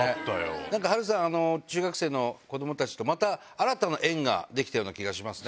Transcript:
なんか波瑠さん、中学生の子どもたちと、また新たな縁が出来たような気がしますね。